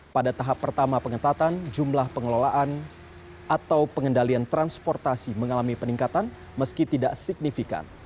pada tahap pertama pengetatan jumlah pengelolaan atau pengendalian transportasi mengalami peningkatan meski tidak signifikan